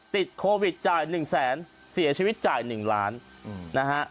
ติดโควิดจ่ายหนึ่งแสนเสียชีวิตจ่ายหนึ่งล้านนะฮะ